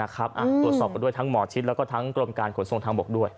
ตรวจสอบกันด้วยทั้งหมอชิดแล้วก็ทั้งกรมการขนส่งทางบกด้วย